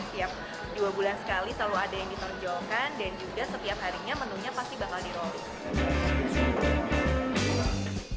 setiap dua bulan sekali selalu ada yang ditonjolkan dan juga setiap harinya menunya pasti bakal di rolling